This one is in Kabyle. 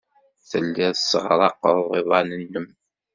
Telliḍ tesseɣraqeḍ iḍan-nnem.